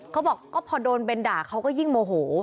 เขาบอกก็พอโดนเบนด่าเขาก็ยิ่งโมโห